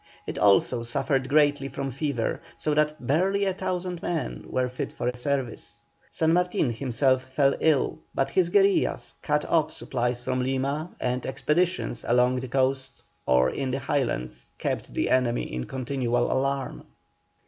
It also suffered greatly from fever, so that barely a thousand men were fit for service. San Martin himself fell ill, but his guerillas cut off supplies from Lima, and expeditions along the coast or into the Highlands kept the enemy in continual alarm.